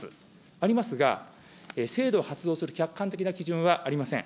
ありますが、制度を発動する客観的な基準はありません。